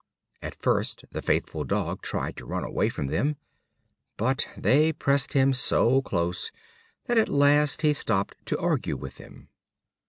At first the faithful dog tried to run away from them, but they pressed him so close that at last he stopped to argue with them.